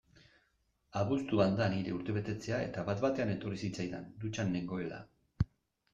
Abuztuan da nire urtebetetzea eta bat-batean etorri zitzaidan, dutxan nengoela.